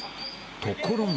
ところが。